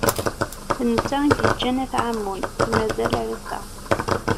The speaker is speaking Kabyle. D netta i d-iǧǧan At Ɛamun, i mazal ar ass-a.